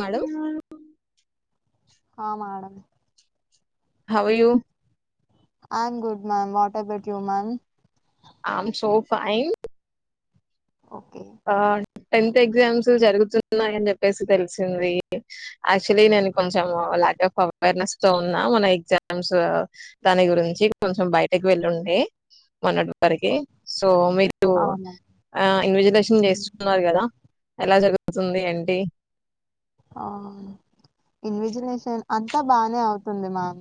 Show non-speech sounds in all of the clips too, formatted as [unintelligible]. Madam ఆ madam hour you I am good ma'am what about you ma'am I am so fine okay ఆ tenth exams జరుగుతున్నాయ అని చెప్పేసి తెలిసింది యాక్చువల్లీ నేను కొంచెం లాక్ ఆఫ్ అవేర్నెస్ తో ఉన్నా మన ఎగ్జామ్స్ దాని గురించి కొంచెం బయటకి వెళ్లి ఉండే మన వరికి సో మీరు ఆ మ్యామ్ ఆ ఇన్విజిలేషన్ హ్మ్. నేర్చుకున్నారు కదా ఎలా జరుగుతుంది ఏంటి ఆ ఇన్విజినేషన్ అంతా బానే అవుతుంది మ్యామ్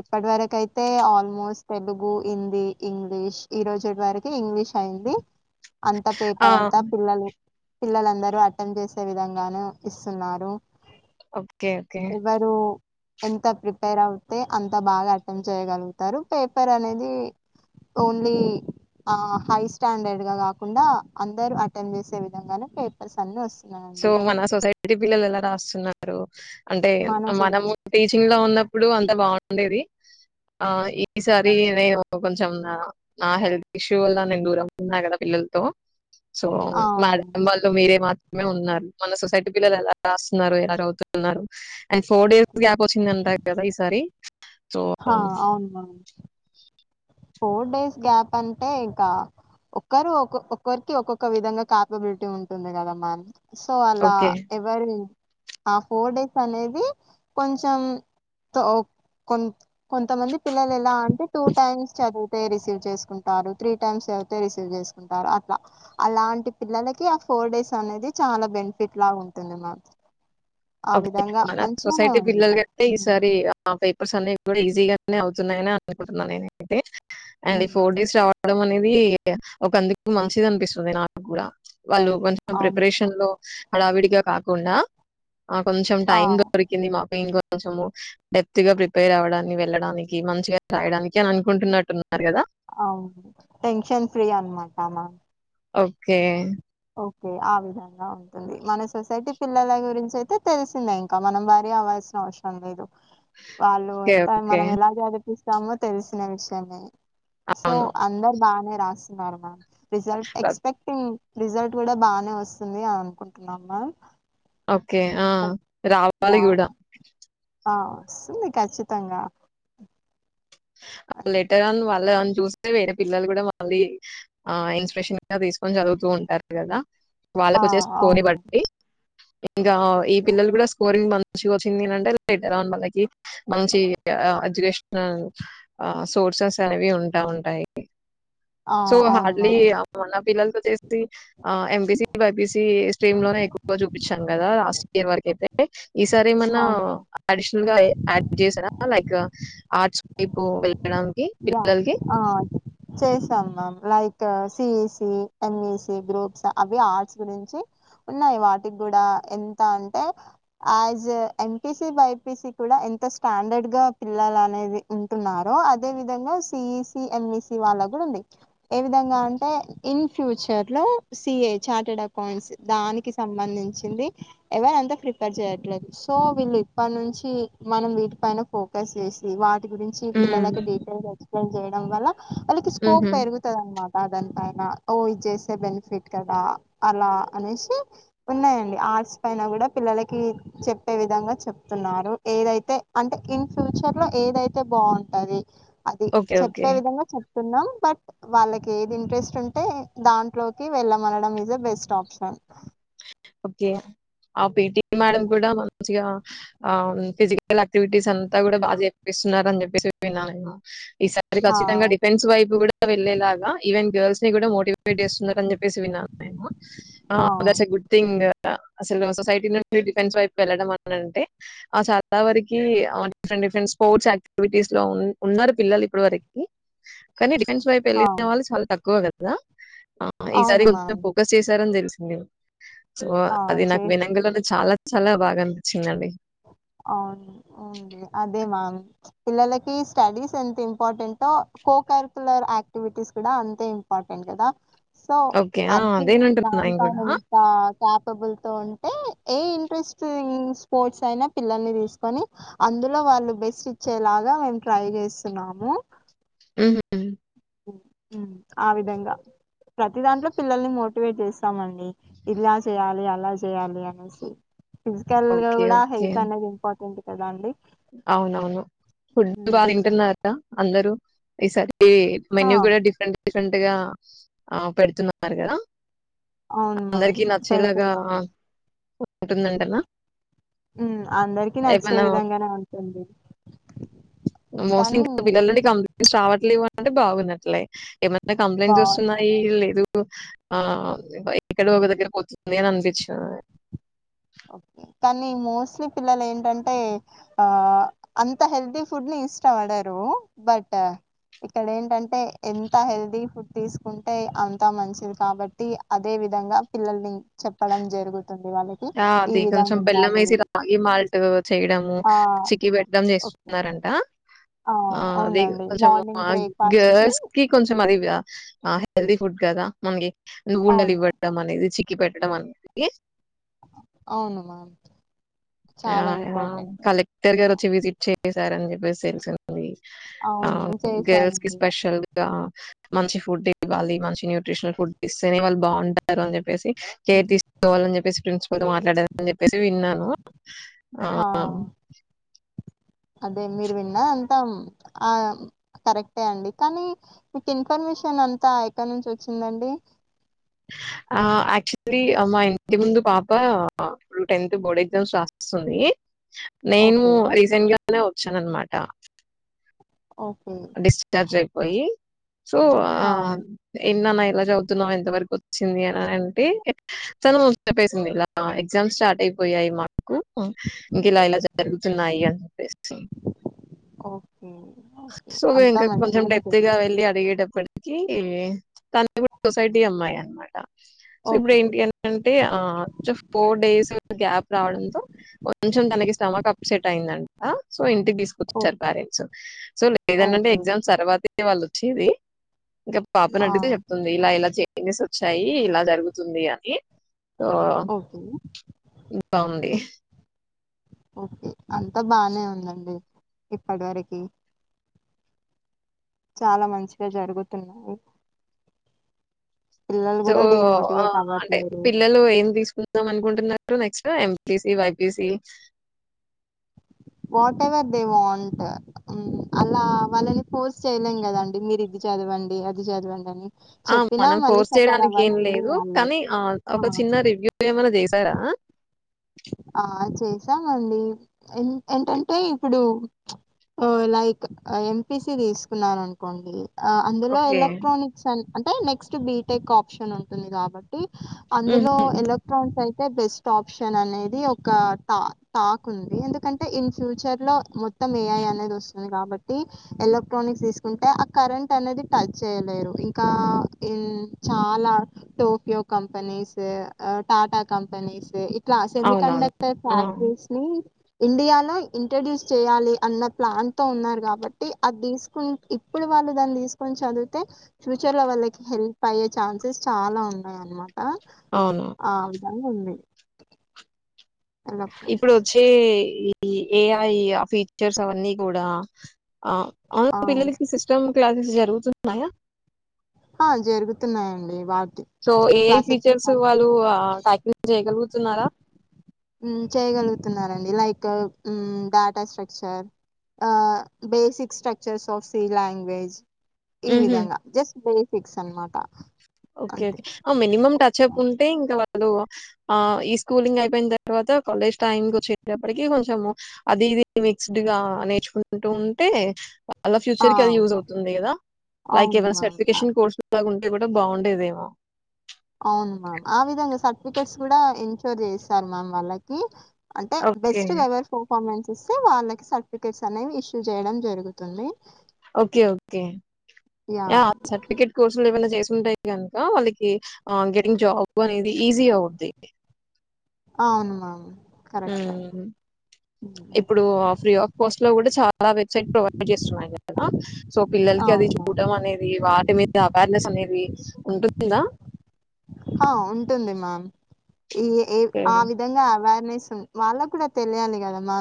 ఇప్పటి వరకు అయితే ఆల్మోస్ట్ తెలుగు హిందీ ఇంగ్లీష్ ఈ రోజుటి వరకు ఇంగ్లీష్ అయింది అంత పేపర్ అంతా పిల్లలు పిల్లలందరూ అర్థం చేసే విధంగాను ఇస్తున్నారు హలో ఓకే ఓకే ఎంత ప్రిపేర్ అయితే అంత బాగా అట్టెంప్ట్ చేయగలుగతారు. పేపర్ అనేది ఓన్లీ హై అ స్టాండర్డ్ గ కాకుండా అందరూ అట్టెంప్ట్ చేసే విధంగానే పేపర్స్ అన్ని వస్తున్నయి సో మన సొసైటీ పిల్లలు ఏలా రాస్తున్నారు అంటే మన మనము టీచింగ్ లో ఉన్నప్పుడు ఇప్పుడు అంత బాగుండేది ఆ ఈసారి సిస్టమ్ నేను కొంచెం నా హెల్త్ ఇష్యూ వల్ల నేను దూరం అవుతున్నా కదా పిల్లలతో సో అవును మేడం వాళ్ళు మీరే మే ఉన్నారు మన సొసైటీ పిల్లలు ఎలా రాస్తున్నారు ఎలా చదువుతున్నారు అండ్ ఫోర్ డేస్ గ్యాప్ వచ్చింది అంట కదా ఈసారి సో, హా అవును మేం ఫోర్ డేస్ గ్యాప్ అంటే ఇంకా ఒకరు ఒ ఒక్కరికి ఒక్కొక్క విధంగా క్యాపబిలిటీ ఉంటుంది కదా మ్యామ్ సో అలా ఓకే. ఎవరి ఆ ఫోర్ డేస్ అనేది కొంచెం తో కొంత కొంతమంది పిల్లలు ఎలా అంటే టూ టైమ్స్ చదివితే రిసీవ్ చేసుకుంటారు త్రీ టైమ్స్ చదివితే రిసీవ్ చేసుకుంటారు అట్లా అలాంటి పిల్లలకి ఆ ఫోర్ డేస్ అనేది చాలా బెనిఫిట్ లా ఉంటుంది మామ్ ఓకే మన సొసైటీ పిల్లలు కంటే హ్మ్. ఈసారి హాఫ్ ఇప్పుడు సందీప్ కూడా ఈజీ గానే అవుతున్నాయని అనుకుంటున్నాను నేనైతే అండ్ ఈ హ్మ్. ఫోర్ డేస్ రావడం అనేది ఇది ఒక అందుకు మంచిది అనిపిస్తుంది నాకు కూడా వాళ్లు కొంచెం అవును ప్రిపరేషన్‌లో. హడావిడిగా కాకుండా, ఆ కొంచం ఆ టైమ్ దొరికింది మాకు మేము గూడా కొంచెము డెప్త్ గా ప్రిపేర్ అవ్వడాని, వెళ్ళడానికి మంచిగా రాయడానికి అని అనుకుంటున్నట్టున్నారు కదా. అవును, టెన్షన్ ఫ్రీ అనమాట మాకు. ఓకే ఓకే, ఆ విధంగా ఉంటుంది. మన సొసైటీ పిల్లల గురించి అయితే తెలిసిందే. ఇంకా మనం వర్రీ అవ్వాల్సిన అవసరం లేదు. వాళ్లు ఓకే. ఎంత ఓకే. మనం ఎలా చదివిస్తే సము తెలిసిన విషయమే గదా. సో, అవును. అందర్ బానే. రాస్తున్నారు, మామ్. రిజల్ట్ ప్రత్ ఎక్స్‌పెక్టింగ్. రిజల్ట్ గూడా బానే వస్తుంది అని అనుకుంటున్నామా ఓకే, ఆ రావాలిగూడా. ఆ వస్తుంది కచ్చితంగా. హా. లెటర్ అన్ వాళ్లే అన్. [unintelligible] చూస్తే, వేరే పిల్లలు కూడా మళ్లీ ఆ ఇన్‌స్పిరేషన్‌గా తీసుకొని చదువుతూ ఉంటారు, కదా? ఆ వాళ్లకు అవును చేసుకోనివ్వండి. ఇంగా, ఈ పిల్లలు కూడా స్కోరింగ్‌ మంత్. మంచిగా వచ్చింది నంతే, లైక్ నార్మల్, లైక్ హీప్, మంచిగా, ఎడ్యుకేషనల్. ఆ సోర్సెస్ అనేవి ఉంటా ఉంటాయి. ఆ సో, అవును హార్డ్‌లీ మ్యామ్ ఆ మన పిల్లలతో చేసి. ఆ, ఎంపీసీ, బైపీసీ. [unintelligible] తి, స్ట్రీమ్‌లోనే ఎక్కువగా చూపించాం, కదా? లాస్ట్. ఎవరికైతే. ఈసారి మనా అవును మ్యామ్ అడిషనల్‌గా ఏ. యాడ్ చేశారా, లైక్ ఆర్ట్స్? ఇపో వెల్ప్. వావ్! ఆ చేశాం, మామ్, లైక్. ఇంకా సీఈసీ ఎంఈసీ గ్రూప్స్ అవి ఆర్ట్స్ గురించి ఉన్నాయి వాటికి గుడా ఎంత అంటే యాజ్ ఎ ఎంపీసీ బైపీసీ కూడా ఎంత స్టాండర్డ్‌గా పిల్లలు అనేది ఉంటున్నారో అద. అదే విధంగా, సీఈసీ, ఎంఈసీ వాళ్లక గుడా ఉంది. ఏ విధంగా అంటే, ఇన్ ఫ్యూచర్‌లో సీఏ చార్టర్డ్ అకౌంట్స్ దానికి సంబంధించినది. ఎవరూ అంత ప్రిఫర్ చేయట్లేదు. సో, వీళ్లు ఇప్పద్‌నుంచి. మనం వీటిపైన ఫోకస్ చేసి, వాట్. [unintelligible] తి గురించి పిల్లల కేట. [unintelligible] ఉమ్. డీటెయిల్స్, ఎక్స్‌ప్లెయిన్ చేయడం వల్ల. వాళ్లకి స్కోప్ పెరుగుతుంది, అనమాట. అది ఎంతైనా, ఓహ్, ఇది జేస్తే బెనిఫిట్ కదా, అలా అనేసి ఉన్నాయి అండి. ఆర్ట్స్ పైన కూడా పిల్లలకి చెప్పే విధంగా చెప్తున్నారు. ఏదైతే అంటే, ఇన్ ఫ్యూచర్‌లో ఏదైతే బాగుంటది. అది ఓకే ఓకే చెప్పే విధంగ చెప్ న్నాం బట్ వాళ్ళకి ఏది ఇంట్రెస్ట్ ఉంటే దాంట్లోకి వెళ్ళమనడం is a best option okay PT madam కూడ మంచిగా ఆ ఫిజికల్ యాక్టివిటీస్ అంతా కూడ బాగా చేపిస్తున్నారు అని చెప్పేసి విన్నా నేను ఈసారి ఆ ఖచ్చితంగా డిఫెన్స్ వైపు కూడా వెళ్లేేలాగ ఈవెన్ గర్ల్స్ [unintelligible] డివైడ్ చేస్తున్నారు అని చెప్పేసి విన్నా నేను [unintelligible] అసలు సొసైటీ నుడి డిఫెన్స్ వైపు వెళ్ళడం అని అంటే చాలా వరకి డిఫరెంట్ డిఫరెంట్ స్పోర్ట్స్ యాక్టివిటీస్ లో ఉ ఉన్నారు పిల్లలు ఇప్పుడు వరకి కానీ డిఫెన్స్ వైపు ఆ వెళ్ళిన వాళ్లు చాల తక్కువ కదా కదా ఈ సారి అవును కొంచెం మ్యామ్ ఫోకస్ చేశారని తెలు సి [unintelligible] సో ఆ అది చే నాకు వినంగనే చాలా చాలా బాగ అనిపించింది అండి అవును ఉంది అదే మ్యామ్ పిల్లలకి స్టడీస్ ఎంత ఇంపార్టెంటో కోకరికులర్ యాక్టివిటీస్ కూడా అంతే ఇంపార్టెంట్ కదా సో ఓకే. ఆ! అది అదేనంటున్నా నేను దానిపైన గూడా. ఇంకా క్యాప్ బుల్ తొ ఉంటే ఏ ఇంట్రెస్టింగ్ స్పోర్ట్స్ కైన పిల్లల్ని తీసుకొని అందులో వాళ్ళు బెస్ట్ ఇచ్చేలాగా మేము ట్రై చేస్తున్నాము ఉ ఉ ఆ విధంగా ప్రతి దాంట్లో పిల్లల్ని మోటివేట్ చేస్తామండి ఇలా చేయాలి అలా చేయాలి అనేసి ఫిజికల్ గ ఓకే. కూడా ఓకే. హెల్త్ అనేది ఇంపార్టెంట్ కదా అండి అవునవును ఫుడ్ బాగా తింటున్నారా అందరు ఈసారి ఆ! మెనూ కూడ డిఫరెంట్ ఫెంట్ గా ఆ పెడుతున్నారు కదా అవును మామ్ పెడుతున్నారు కుంటందంటలా [unintelligible] హ్ అందరికి నచ్చే విధంగానే ఉ మోస్ట్లీ కానీ ఇంకా పిల్లలనుండి కంప్లైంట్స్ రావట్లేవు అంటే బాగున [unintelligible] కంప్లైంట్స్ బావున్నాయి. వస్తున్నాయి లేదు ఆ ఎక్కడ ఒక దగ్గరకి పోతుంది అని అనిపిచ్చింది ఓకే కానీ మోస్ట్లీ పిల్లలు ఏంటంటే ఆ అంత హెల్దీ ఫుడ్ ని ఇష్టపడరు బట్ ఇక్కడ ఏంటంటే ఎంత హెల్దీ ఫుడ్ తీసుకుంటే అంత మంచిది కాబట్టి అదే విధంగా పిల్లల్ని చెప్పడం జరుగుతుంది ఇవాళ ఆ అది కొంచెం బెల్లం వేసి రాగి మాల్ట్ చేయడము ఆ! చికి పెట్టడం ఓకే. చేస్తున్నారంట ఆ అది అవునండి. కొంచెం మార్నింగ్ బ్రేక్‌ఫాస్ట్‌కి గ్యాస్కీ కొంచెం అదివ ఆ హెల్ది ఫుడ్ గదా మనకి [unintelligible] ఊళలి అవును. బట్టా మనది చి కి పెట్టడం అన్న అవునుమా ఆ కలెక్టర్ గారు వచ్చి విజిట్ చే సార చెప్ప తెల్స్ ఉంది [unintelligible] ఆ అవును గర్ల్స్ కి చేశానండి స్పెషల్ గా మంచి ఫుడ్ ఇవ్వాలి మంచి న్యూట్రిషనల్ ఫుడ్ ఇస్తేనే వాళ్ళు బాగుంటారు అని చెప్పేసి కేర్ తీసుకోవాలని చెప్పేసి ప్రిన్స్ ఎవరితో మాట్లాడని చెప్పేసి వి ఆ అదే మీరు విన్న అంతా ఆ కరెక్టే అండి కానీ మీకు ఇన్ఫర్మేషన్ అంతా ఎక్కడి నుంచి వచ్చిందండి. ఆ యాక్చువల్లీ మా ఇంటి ముందు పాప ఇప్పుడు టెన్త్ బోర్డ్ ఎగ్జామ్స్ రాస్తుంది నేను ఓకే రిసెంట్గా అని వచ్చాన అనమాట ఓకే డిస్చార్జ్ అయి పోయి సో ఆ హా ఎ నాన్న ఎలా చదువుతున్నావు ఎంత వరకు వచ్చింది అని అంటే తను చెప్పేసింది ఇలా ఎగ్జామ్ స్టార్ట్ అయిపోయాయి మాకు ఇంక ఇలా ఇలా జరుగుతున్నాయి అని చెప్పేసి ఓ సో ఇంకా కొంచెం డెప్త్ గా జరిగింది వెళ్ళి అడిగేటప్పటికి కీ తను కూడా సొసైటీ అమ్మాయి అనమాట సో ఇప్పుడు ఓకే ఏంటి అంటే ఆ ఫోర్ డేస్ గ్యాప్ రావడంతో కొంచెం తనకి స్టమక్ అప్సెట్ అయింది. ఆ సో ఇంటికి ఓ తీసుకొచ్చారు పేరెంట్స్ సో లేదంటంటే ఓకే ఎగ్జామ్స్ తర్వాతే యె వాళ్ళొచ్చేది ఇంకా ఆ పాపనడిగితే చెప్తుంది ఇలా ఇలా చె పిరియడ్స్ వచ్చాయి ఇలా జరుగుతుంది అని సో ఓకే ఇంకా ఉంది. ఓకే అంతా బానే ఉందండి ఇప్పటి వరకి చాలా మంచిగా జరుగుతున్నాయి పిల్లలు సో కూడా ఆ డిమోటివేట్ అంటే అవ్వట్లేరు పిల్లలు ఏం తీసుకు వద్దాం అనుకుంటున్నట్టు next MPC BiPC whatever they want అలా వాళ్ళని ఫోర్స్ చేయలేం కదండి మీరు ఇది చదవండి అది చదవండి అని ఆ చెప్పినా మనం మళ్ళీ కోర్స్ సఫర్ చేయడానికి ఏం అవ్వాల్సింది లేదు వాళ్ళే కానీ ఆ ఒక చిన్న రివ్యూ ఏమైనా చేస్త రా ఆ చేసామండి ఏ ఏంటంటే ఇప్పుడు లైక్ ఎంపీసి తీసుకున్నారు అనుకోండి ఆ అందులో ఓకే. ఎలక్ట్రానిక్స్ అ అంటే నెక్స్ట్ బీటెక్ ఆప్షన్ ఉంటుంది కాబట్టి అందులో హుహు. ఎలక్ట్రాన్స్ అయి బెస్ట్ ఆప్షన్ అనేది ఒకా టాక్ ఉంది ఎందుకంటే ఇన్ ఫ్యూచర్ లో మొత్తం ఏఐ అనేది వస్తుంది కాబట్టి ఎలక్ట్రానిక్స్ తీసుకుంటే ఆ కరెంట్ అనేది టచ్ చేయలేరు ఇంకా ఇన్ చాలా టోక్యో కంపెనీస్ టాటా కంపెనీస్ లా సెమమి అవునవును. కండక్టర్ ఆ! ఫ్యాక్టరీస్ ని ఇండియాలో ఇంట్రడ్యూస్ చేయాలి అన్న ప్లాన్తో ఉన్నారు కాబట్టి అది తీసుకుని ఇప్పుడు వాళ్ళు దాన్ని తీసుకొని చదివితే ఫ్యూచర్ లో వాళ్ళకి హెల్ప్ అయ్యే ఛాన్సెస్ చాలా ఉన్నాయి అన్నమాట అవును ఉంది ఇప్పుడు ఎలక్ట్రానిక్స్. వచ్చే ఇ ఈ ఏఐ ఆ ఫీచర్స్ అవన్నీ కూడా ఆ ఆ! అవును పిల్లల కి సిస్టమ్ క్లాసెస్ జరుగుతున్నాయా ఆ జరుగుతున్నాయండి వాటి సో ఏఐ ఫీచర్స్ వాళ్ళు ఆ హుమ్ చేయగలుగుతున్నారు like data structure basic structures of C language ఈ హుహు. విధంగా జస్ట్ ఫిక్స్ అన్మాట ఓకే ఓకే మినిమం టచ్అప్ ఉంటే ఇంకా ఆ ఈ స్కూలింగ్ అయిపోయిన తర్వాత కాలేజ్ టైమ్ వచ్చేటప్పటికి కొంచెము అది ఇది మిక్స్డ్ గా నేర్చుకుంటూ ఉంటే అలా ఆ! ఫ్యూచర్ కి అది యూజ్అవుతుంది కదా లైక్ అవును ఏవైన మ్యామ్. ఆ! సర్టిఫికేషన్ కోర్స్ లాగా ఉ ఇది కూడా బావుంట డెదేమో టికెట్స్ కూడా ఇంట్లో చేసాను మ్యామ్ వాళ్ళకి అంటే ఓకే. బెస్ట్గా ఎవర్ పర్ఫార్మెన్స్ ఇస్తే వాళ్ళకి సర్టిఫికెట్స్ అనేవి ఇష్యూ చేయడం జరుగుతుంది ఓకే ఓకే ఆ యాహ్! సర్టిఫికెట్ కోర్సులు ఏమైనా చేస్ ఉంటాయి గనుక వాళ్ళకి గెటింగ్ జాబ్ అనేది ఈజీ అవుద్ది అవునుమా అవును కరెక్ట్. హ్మ్ హ్మ్. ఇప్పుడు ఫ్రీ ఆఫ్ కాస్ట్ లో కూడా చాల చాలా వెబ్సైట్ ప్రొవైడ్ చేస్తున్నాయి కదా సో పిల్లలకి అది అవును మ్యామ్. చూడడం అనేది వాటి మీద అవేర్నెస్ అనేది ఉంటుందా ఆ ఉంటుంది మ్యామ్ ఈ ఏ ఓకే. ఆ విధంగా అవేర్నెస్ వాళ్ళకు కూడా తెలియాలి కదా మా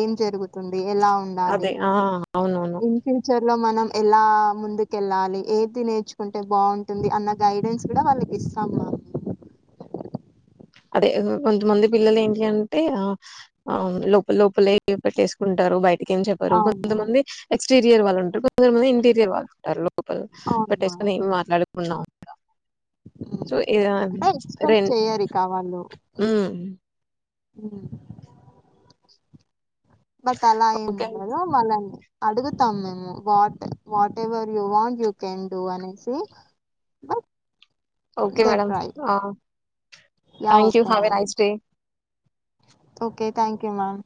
ఏం జరుగుతుంది ఎలా ఉండాలి అదే ఆ అవునవును ఇన్ ఫ్యూచర్ లో మనం ఎలా ముందుకెళ్ళాలి ఏది నేర్చుకుంటే బావుంటుంది అన్న గైడెన్స్ కూడా వాళ్ళకి ఇస్తంది సమయం అదే కొంతమంది పిల్లలు ఏంటి అంటే ఆ ఆ లోపల లోపలే పెట్టేసుకుంటారు బయట ఏం చెప్పరు కొంత అవును. మంది ఎక్స్టీరియర్ వాళ్ళు ఉంటారు కొంత మంది ఇంటీరియర్ వాళ్ళు ఉంటారు లోపల అవును మ్యామ్. పెట్టేసుకొని ఏం మాట్లాడు ఉన్నా సో ఇద అంటే ఎక్స్పెక్ట్ రెం చెయ్యరు ఇక వాళ్ళు హ బట్ అలా ఏమి ఓకే ఉండదు మళని అడుగుతాం మేము what whatever you want you can do అనేసి but okay they madam try ఆ yeah thank you okay save a ma'am nice day okay thank you ma'am